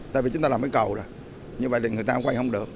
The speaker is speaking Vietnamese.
tại vì chúng ta làm cái cầu rồi như vậy thì người ta quay không được